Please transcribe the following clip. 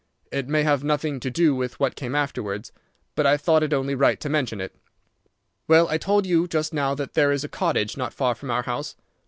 It may have nothing to do with what came afterwards, but I thought it only right to mention it. "Well, I told you just now that there is a cottage not far from our house.